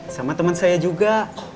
sama temen saya juga